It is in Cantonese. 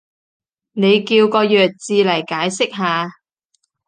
你叫個弱智嚟解釋下